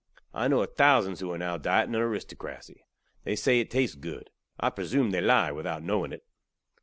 I kno ov thousands who are now dieting on aristokrasy. They say it tastes good. I presume they lie without knowing it.